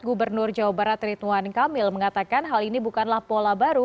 gubernur jawa barat ritwan kamil mengatakan hal ini bukanlah pola baru